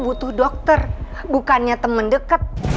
butuh dokter bukannya temen deket